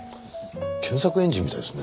検索エンジンみたいですね。